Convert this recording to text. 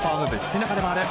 背中で回る。